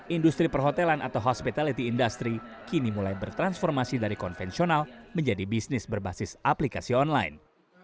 industri perhotelan atau hospitality industry kini mulai bertransformasi dari konvensional menjadi bisnis berbasis aplikasi online